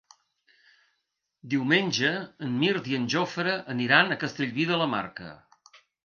Diumenge en Mirt i en Jofre aniran a Castellví de la Marca.